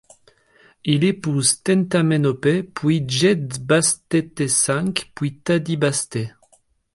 Il épouse Tentamenopet puis Djedbastetesânkh puis Tadibastet.